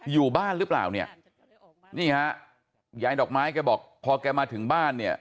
อยู่บ้านหรือเปล่าเนี่ยนี่ฮะยายดอกไม้แกบอกพอแกมาถึงบ้านเนี่ย